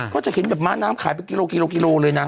เขาจะมีมาร้าน้ำขายไปกิโลเลยนะ